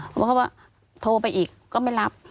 เขาบอกเขาว่าโทรไปอีกก็ไม่รับ